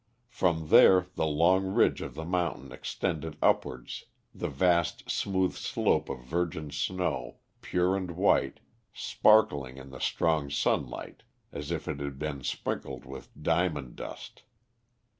From there to the long ridge of the mountain extended upwards the vast smooth slope of virgin snow, pure and white, sparkling in the strong sunlight as if it had been sprinkled with diamond dust.